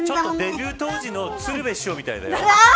デビュー当時の鶴瓶師匠みたいだよ。